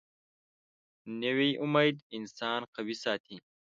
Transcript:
نوې امید انسان قوي ساتي